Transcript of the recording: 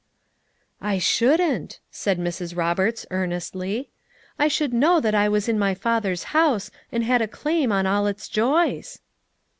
"I shouldn't," said Mrs. Roberts earnestly. "I should know that I was in my Father's house and had a claim on all its joys."